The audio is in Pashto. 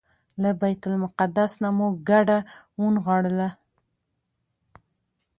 له بیت المقدس نه مو کډه ونغاړله.